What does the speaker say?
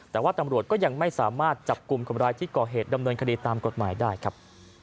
แต่ว่าตำรวจก็ยังไม่สามารถจับกลุ่มคนร้ายที่ก่อเหตุดำเนินคดีตามกฎหมายได้ครับ